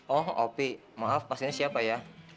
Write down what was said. oh opi maaf pas ini siapa ya